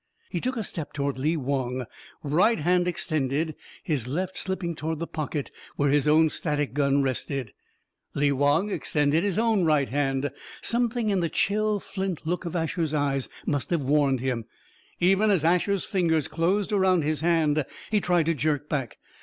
He took a step toward Lee Wong, right hand extended, his left slipping toward the pocket where his own static gun rested. Lee Wong extended his own right band. Something in the chill, flint look of Asher's eyes must have warned him. Even as Asher's fingers closed around his hand, he tried to jerk back.